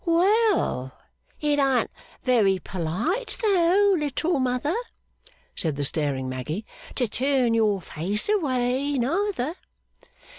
'Well, it an't very polite though, Little Mother,' said the staring Maggy, 'to turn your face away, neither!